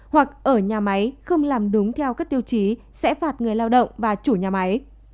hoặc ở nhà máy không làm đúng theo các tiêu chí sẽ phạt người lao động và chủ nhà máy